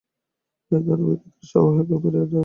এই দানবীয় ক্ষেত্র শাওহেইকে ফিরিয়ে দাও।